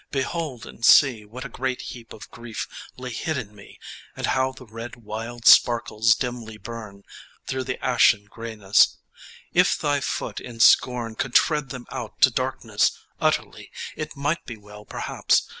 Behold and see What a great heap of grief lay hid in me, And how the red wild sparkles dimly burn Through the ashen greyness. If thy foot in scorn Could tread them out to darkness utterly, It might be well perhaps.